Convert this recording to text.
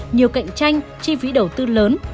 nhiều cạnh tranh chi phí đầu tư lớn